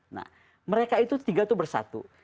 nah mereka itu tiga itu bersatu